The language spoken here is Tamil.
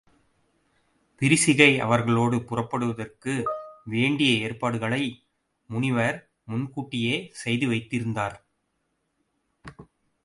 விரிசிகை அவர்களோடு புறப்படுவதற்கு வேண்டிய ஏற்பாடுகளை முனிவர் முன்கூட்டியே செய்து வைத்திருந்தார்.